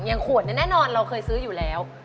ขวดเนี่ยแน่นอนเราเคยซื้ออยู่แล้ว